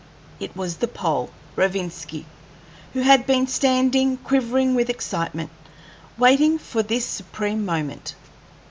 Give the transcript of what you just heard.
It was the Pole, Rovinski, who had been standing quivering with excitement, waiting for this supreme moment.